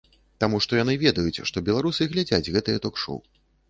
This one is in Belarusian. Таму што яны ведаюць, што беларусы глядзяць гэтыя ток-шоў.